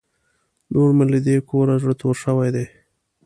نور مې له دې کوره زړه تور شوی دی.